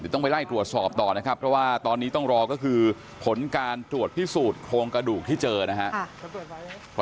ต้องไปไล่ตรวจสอบต่อนะครับเพราะว่าตอนนี้ต้องรอก็คือผลการตรวจพิสูจน์โครงกระดูกที่เจอนะครับ